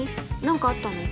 何かあったの？